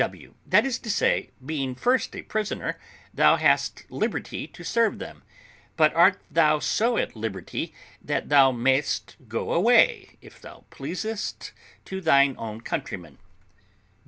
W. That is to say, being first a prisoner, thou hast liberty to serve them; but art thou so at liberty that thou mayest go away, if thou pleasest, to thine own countrymen?